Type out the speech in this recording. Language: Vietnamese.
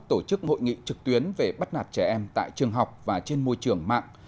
tổ chức hội nghị trực tuyến về bắt nạt trẻ em tại trường học và trên môi trường mạng